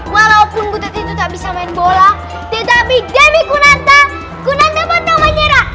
walaupun butet itu tak bisa main bola tetapi demi kunanta kunanta bantam wanyara